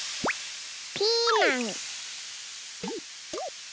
ピーマン。